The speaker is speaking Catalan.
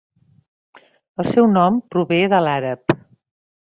El seu nom prové de l'àrab.